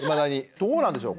どうなんでしょう？